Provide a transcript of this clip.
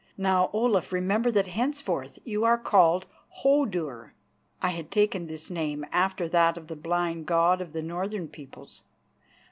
Now, Olaf, remember that henceforth you are called Hodur." (I had taken this name after that of the blind god of the northern peoples.)